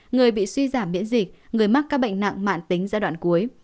người bị suy giảm biễn dịch người mắc ca bệnh nặng mạn tính giai đoạn cuối